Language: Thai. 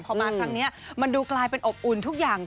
พอมาครั้งนี้มันดูกลายเป็นอบอุ่นทุกอย่าง